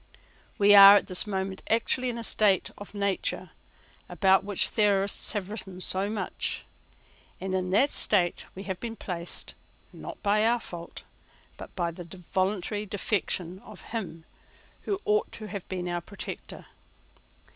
We are at this moment actually in that state of nature about which theorists have written so much; and in that state we have been placed, not by our fault, but by the voluntary defection of him who ought to have been our protector.